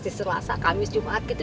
di selasa kamis jumat gitu